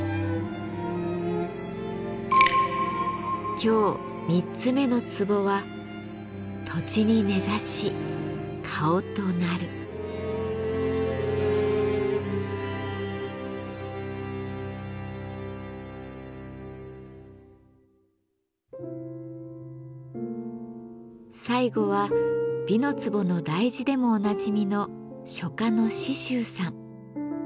今日三つ目のツボは最後は「美の壺」の題字でもおなじみの書家の紫舟さん。